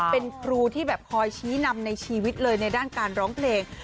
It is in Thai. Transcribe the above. เป็นครูที่แบบคอยชี้นำในชีวิตเลยในด้านการร้องเพลง